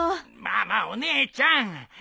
まあまあお姉ちゃん。